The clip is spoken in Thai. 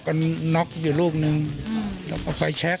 ส่วนนางสุธินนะครับบอกว่าไม่เคยคาดคิดมาก่อนว่าบ้านเนี่ยจะมาถูกภารกิจนะครับ